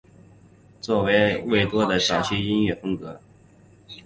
此为魏多的早期音乐风格。